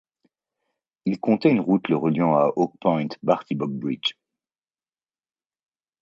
Il comptait une route le reliant à Oak Point-Bartibog Bridge.